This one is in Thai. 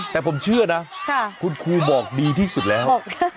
แต่ผมเชื่อนะคุณครูบอกดีที่สุดแล้ว